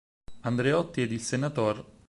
Andreotti ed il Sen.